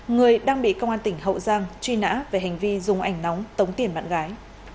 người đang bị công an tỉnh hậu giang truy nã về hành vi dùng ảnh nóng tống tiền bạn gái